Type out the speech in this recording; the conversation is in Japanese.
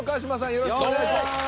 よろしくお願いします。